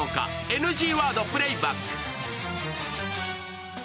ＮＧワードプレーバック。